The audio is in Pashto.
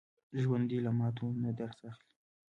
ژوندي له ماتو نه درس اخلي